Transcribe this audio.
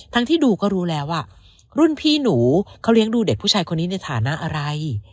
ที่ดูก็รู้แล้วว่ารุ่นพี่หนูเขาเลี้ยงดูเด็กผู้ชายคนนี้ในฐานะอะไร